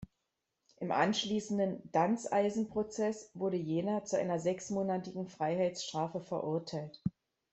Im anschließenden „Danzeisen-Prozess“ wurde jener zu einer sechsmonatigen Freiheitsstrafe verurteilt.